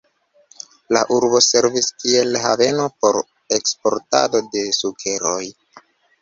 La urbo servis kiel haveno por eksportado de sukeroj.